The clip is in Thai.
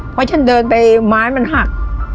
เพราะฉันเดินไปไม้มันหัก